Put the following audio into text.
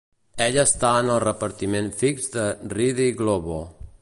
Ell està en el repartiment fix de Rede Globo.